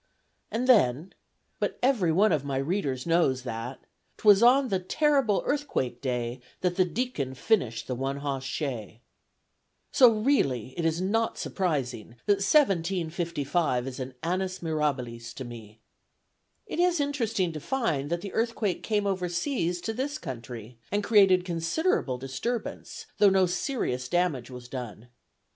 And then but every one of my readers knows that 'Twas on the terrible Earthquake Day That the Deacon finished the One Hoss Shay. So it really is not surprising that 1755 is an annus mirabilis to me. It is interesting to find that the earthquake came over seas to this country, and created considerable disturbance, though no serious damage was done.